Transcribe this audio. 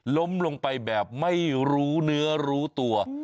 ล้มลงไปแบบไม่รู้เนื้อรู้ตัว